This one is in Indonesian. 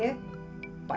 pak hendartonya ya